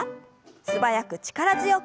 素早く力強く。